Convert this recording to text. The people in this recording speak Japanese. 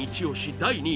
第２位